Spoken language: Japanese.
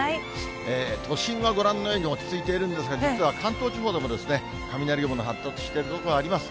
都心はご覧のように落ち着いているんですが、実は関東地方でも、雷雲の発達している所があります。